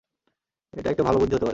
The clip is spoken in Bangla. এটা একটা ভালো বুদ্ধি হতে পারে।